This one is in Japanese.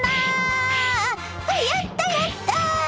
やったやった！